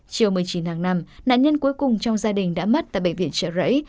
chiều một mươi chín tháng năm nạn nhân cuối cùng trong gia đình đã mất tại bệnh viện trợ rẫy